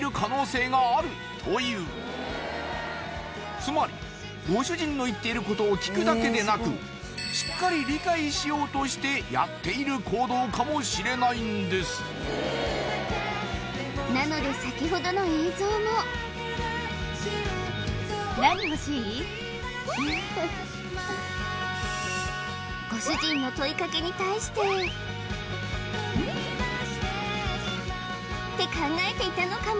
つまりご主人の言っていることを聞くだけでなくしっかり理解しようとしてやっている行動かもしれないんですなのでさきほどの映像もって考えていたのかも